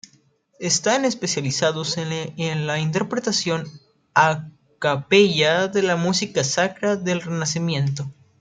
Están especializados en la interpretación "a capella" de la música sacra del Renacimiento.